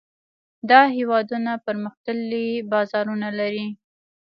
دا هېوادونه پرمختللي بازارونه لري.